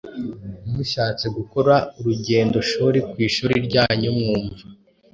Mushatse gukora urugendoshuri ku ishuri ryanyu mwumva